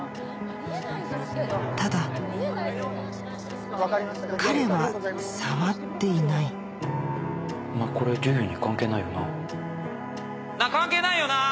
ただ彼は触っていないこれ授業に関係ないよななぁ関係ないよな